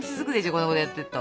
こんなことやってると。